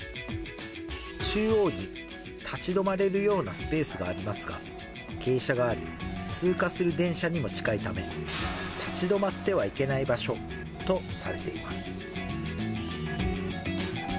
中央に立ち止まれるようなスペースがありますが、傾斜があり、通過する電車にも近いため、立ち止まってはいけない場所とされています。